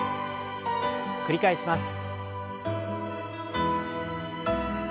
繰り返します。